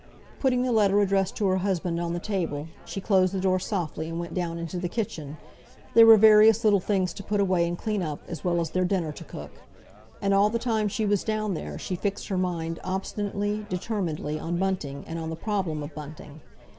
Putting the letter addressed to her husband on the table, she closed the door softly, and went down into the kitchen; there were various little things to put away and clean up, as well as their dinner to cook. And all the time she was down there she fixed her mind obstinately, determinedly on Bunting and on the problem of Bunting.